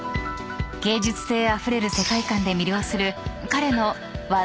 ［芸術性あふれる世界観で魅了する彼の］